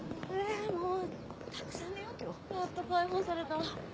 やっと解放された！